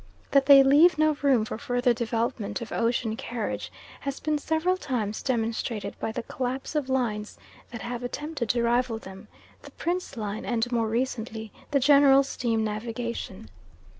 That they leave no room for further development of ocean carriage has been several times demonstrated by the collapse of lines that have attempted to rival them the Prince line and more recently the General Steam Navigation.